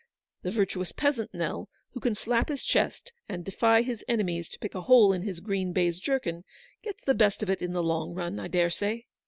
The virtuous peasant, Nell, who can slap his chest, and defy his enemies to pick a hole in his green baize jerkin, gets the best of it in the long run, I dare say."